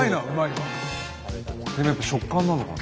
でもやっぱ食感なのかな。